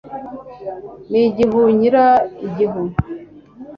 n'igihunyira, igihu